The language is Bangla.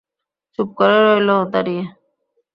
চুপ করে রইল দাঁড়িয়ে।